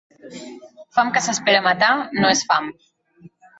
Fam que s'espera matar, no és fam.